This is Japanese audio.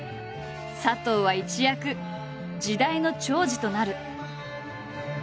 佐藤は一躍時代の寵児となる。